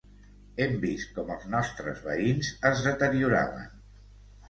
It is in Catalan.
Hem vist com els nostres veïns es deterioraven.